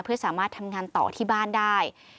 เพื่อสามารถทำงานต่อที่บ้านได้